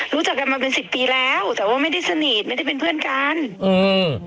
รู้จักกันมาเป็นสิบปีแล้วแต่ว่าไม่ได้สนิทไม่ได้เป็นเพื่อนกันอืม